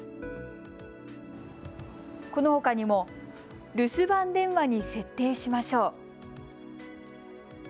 このほかにも留守番電話に設定しましょう！